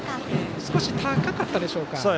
少し高かったでしょうか。